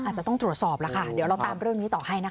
อาจจะต้องตรวจสอบแล้วค่ะเดี๋ยวเราตามเรื่องนี้ต่อให้นะคะ